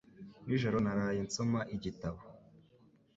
Nijoro naraye nsoma igitabo